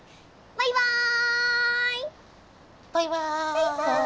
バイバイ！